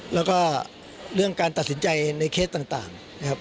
แล้วก็เรื่องการตัดสินใจในเคสต่างนะครับ